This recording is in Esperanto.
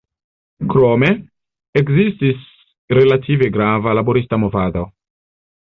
Krome, ekzistis relative grava laborista movado.